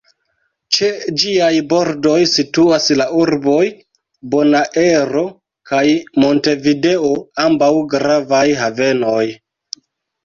Ĉe ĝiaj bordoj situas la urboj Bonaero kaj Montevideo, ambaŭ gravaj havenoj.